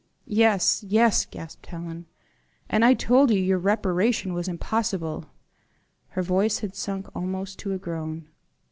"Yes, yes," gasped Helen; "and I told you reparation was impossible." Her voice had sunk almost to a groan.